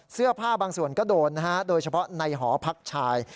เสื้อผ้าบางส่วนก็โดนนะฮะโดยเฉพาะในหอพักชาย